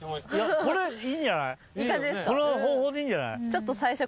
この方法でいいんじゃない？